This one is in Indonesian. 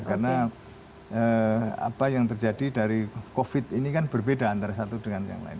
karena apa yang terjadi dari covid ini kan berbeda antara satu dengan yang lain